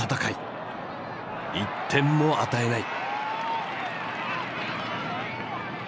１点も与えない。